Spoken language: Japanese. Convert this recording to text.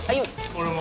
俺も。